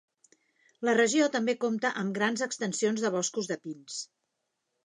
La regió també compta amb grans extensions de boscos de pins.